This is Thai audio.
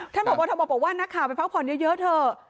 พบทบบอกว่านักข่าวไปพักผ่อนเยอะเถอะ